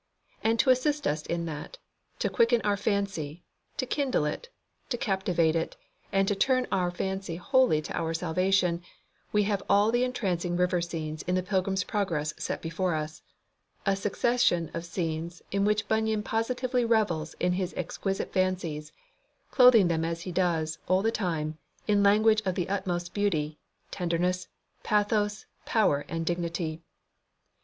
And to assist us in that; to quicken our fancy, to kindle it, to captivate it, and to turn our fancy wholly to our salvation, we have all the entrancing river scenes in the Pilgrim's Progress set before us; a succession of scenes in which Bunyan positively revels in his exquisite fancies, clothing them as he does, all the time, in language of the utmost beauty, tenderness, pathos, power, and dignity.